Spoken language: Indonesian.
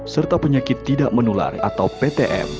serta penyakit tidak menular atau ptm